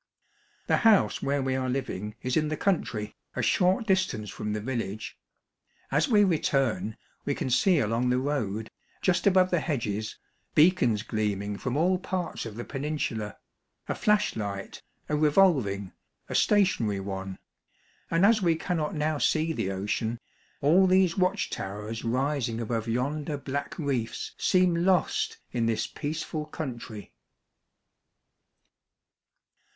The house where we are living is in the country, 19 290 Monday Tales, a short distance from the village. As we return, we can see along the road, just above the hedges, beacons gleaming from all parts of the peninsula, a flash light, a revolving, a stationary one ; and as we cannot now see the ocean, all these watch towers rising above yonder black reefs seem lost in this peaceful country.